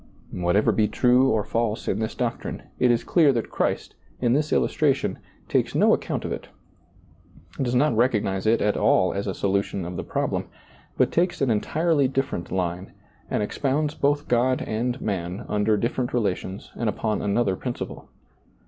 Whatever be true or false in this doctrine, it is clear that Christ, in this illustration, takes no account of it, does not recognize it at all as a solution of the problem, but takes an entirely dif ferent line, and expounds both God and man under different relations and upon another princi ple.